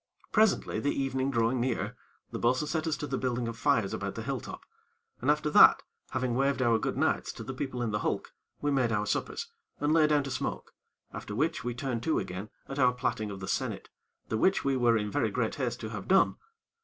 Presently, the evening drawing near, the bo'sun set us to the building of fires about the hill top, and after that, having waved our goodnights to the people in the hulk, we made our suppers, and lay down to smoke, after which, we turned to again at our plaiting of the sennit, the which we were in very great haste to have done.